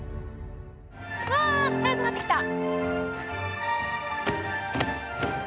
わあ速くなってきた。